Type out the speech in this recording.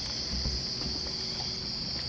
สวัสดีครับทุกคน